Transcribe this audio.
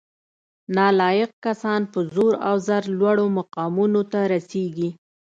نالایق کسان په زور او زر لوړو مقامونو ته رسیږي